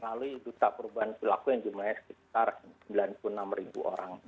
lalu duta perubahan berlaku yang jumlahnya sekitar sembilan puluh enam orang